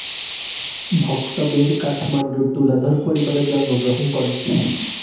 ভক্ত বীর কাঠমান্ডুর তুলাধর পরিবারে জন্মগ্রহণ করেন।